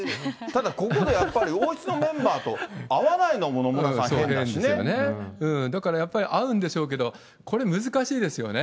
ただここでやっぱり、王室のメンバーと会わないのも野村さん、だからやっぱり、会うんでしょうけど、これ難しいですよね。